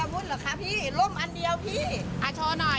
อาวุธหรือเปล่า